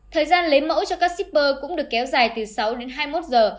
thời gian lấy mẫu cho các shipper cũng được kéo dài từ sáu đến hai mươi một giờ